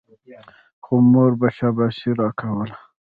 خو مور به شاباسي راکوله.